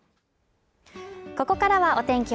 ここからはお天気